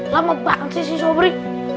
lama banget sih si sobri